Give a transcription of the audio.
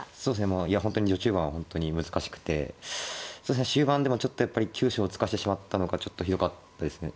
もういや本当に序中盤は本当に難しくて終盤でまあちょっとやっぱり急所をつかしてしまったのがちょっとひどかったですね。